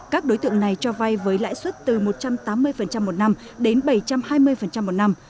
các đối tượng này cho vay với lãi suất từ một trăm tám mươi một năm đến bảy trăm hai mươi một năm